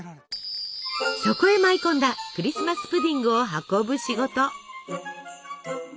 そこへ舞い込んだクリスマス・プディングを運ぶ仕事。